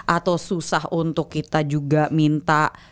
atau susah untuk kita juga minta